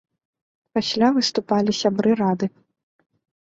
Пасля выступалі сябры рады.